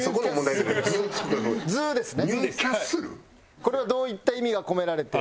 これはどういった意味が込められて？